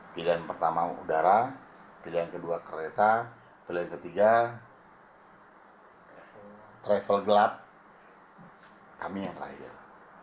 pilihan pertama udara pilihan kedua kereta pilihan ketiga travel gelap kami yang terakhir